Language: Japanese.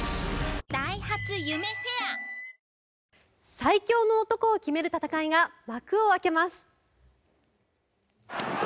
最強の男を決める戦いが幕を開けます！